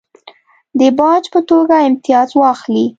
د باج په توګه امتیاز واخلي.